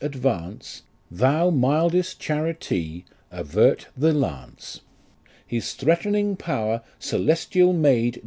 advance, Thou, mildest Charity, avert the lance ; His threatening power, celestial maid